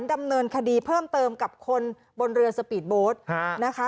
ดำเนินคดีเพิ่มเติมกับคนบนเรือสปีดโบ๊ทนะคะ